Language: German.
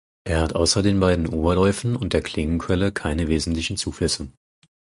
Er hat außer den beiden Oberläufen und der Klingenquelle keine wesentlichen Zuflüsse.